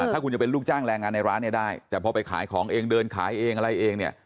ถ้าคุณจะเป็นลูกจ้างแรงงานในร้านเนี่ยได้แต่พอไปขายของเองเดินขายเองอะไรเองเนี่ย